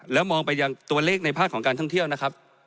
แล้วมองไปยังตัวเลขในภาคของการท่องเที่ยวนะครับ